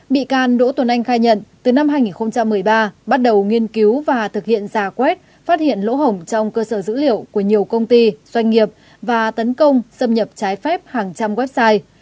bị can đỗ tuấn anh khai nhận từ năm hai nghìn một mươi ba bắt đầu nghiên cứu và thực hiện giả quét phát hiện lỗ hổng trong cơ sở dữ liệu của nhiều công ty doanh nghiệp và tấn công xâm nhập trái phép hàng trăm website